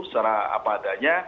secara apa adanya